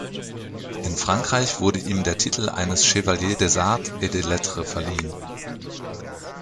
In Frankreich wurde ihm der Titel eines Chevalier des Arts et des Lettres verliehen.